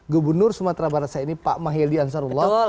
gubernur sumatera barat saya ini pak mahyildi ansarullah